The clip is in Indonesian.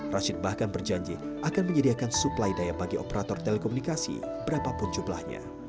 rashid bahkan berjanji akan menyediakan suplai daya bagi operator telekomunikasi berapapun jumlahnya